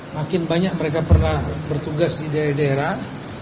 makin banyak mereka pernah bertugas di daerah daerah